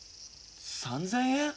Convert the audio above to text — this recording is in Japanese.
３，０００円？